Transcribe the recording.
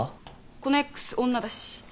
このＸ女だし。